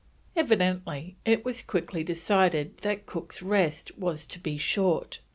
Evidently it was quickly decided that Cook's rest was to be short.